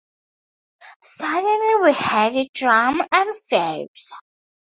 "Suddenly we heard a drum and fifes!".